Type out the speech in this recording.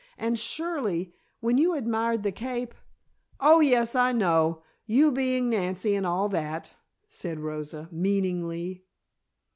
And surely, when you admired the cape " "Oh, yes, I know. You being Nancy, and all that," said Rosa, meaningly.